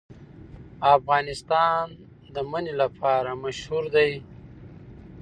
افغانستان د منی لپاره مشهور دی.